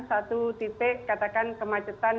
satu titik katakan kemacetan